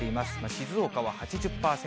静岡は８０％。